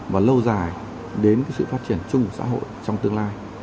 và lâu dài đến sự phát triển chung của xã hội trong tương lai